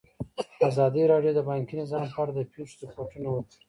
ازادي راډیو د بانکي نظام په اړه د پېښو رپوټونه ورکړي.